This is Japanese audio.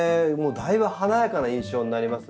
だいぶ華やかな印象になりますね